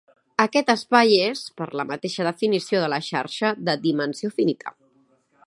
Aquest espai és, per la mateixa definició de la xarxa, de dimensió finita.